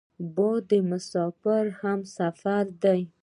باد د مسافرو همسفر دی